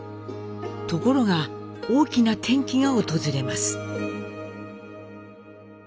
ところが大きな転機が訪れます。